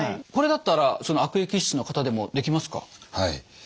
これだったらその悪液質の方でもできますか？